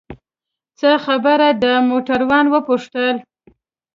څه خبره ده؟ موټروان وپوښتل.